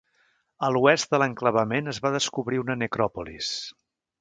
A l'oest de l'enclavament es va descobrir una necròpolis.